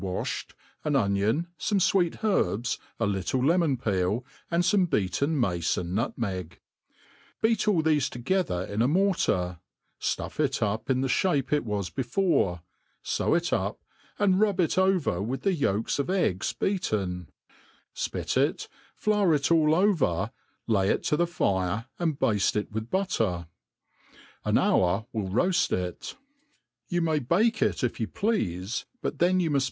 iiied, an onion* fofne fwcct herbs, a littJe lemon peel,^ and fomebeacei> nnate and nutmegs beat all thefe together in a mprtar, ftuffit up in the (bape It was before, few it up, and rub it over witK t^he yolks of eggs beaten, fpit it, flour ft alt over, lay it to the fire, and bafte it with butter. An hour w^li i'Offft ii^^ You may bake it, if you pleafe, but then you muft.